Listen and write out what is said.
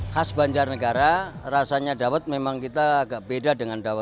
khas banjarnegara rasanya dawet memang kita agak beda dengan dawet